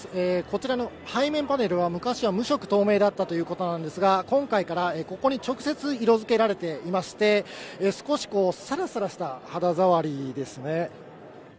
こちらの背面パネルは昔は無色透明だったということなんですが、今回からここに直接色付けられていまして、少しサラサラした肌触りですね。